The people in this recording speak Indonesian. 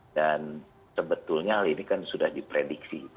dan sebetulnya hal ini kan sudah diprediksi